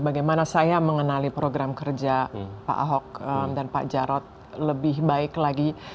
bagaimana saya mengenali program kerja pak ahok dan pak jarod lebih baik lagi